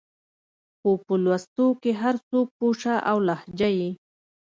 خو په لوستو کې هر څوک پوه شه او لهجه يې